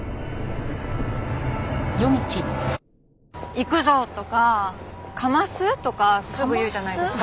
「いくぞ！」とか「かます」とかすぐ言うじゃないですか。